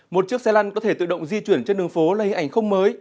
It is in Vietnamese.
một chiếc xe lăn có thể tự động di chuyển trên đường phố là hình ảnh không mới